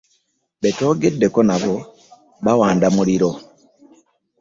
Be twogeddeko nabo bawanda muliro.